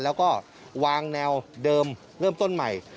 แล้วก็วางแนวเดิมเริ่มต้นใหม่